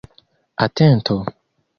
atento